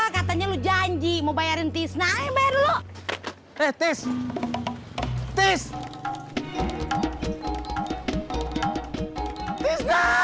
katanya lu janji mau bayarin tisnaya merlo retis tis